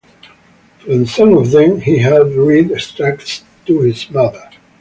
From some of them he had read extracts to his mother.